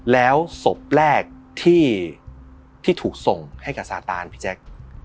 แล้วศพแรกที่ถูกส่งให้กับซาตานพี่แจ๊ค